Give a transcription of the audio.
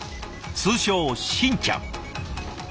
通称しんちゃん。